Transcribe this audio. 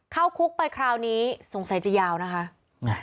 เข้าคุกไปคราวนี้สงสัยจะยาวนะคะ